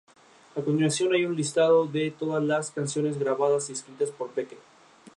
A continuación hay un listado de todas las canciones grabadas y escritas por Beckett.